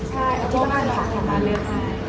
ใช่ที่ก็ได้เราทำมาเลือกให้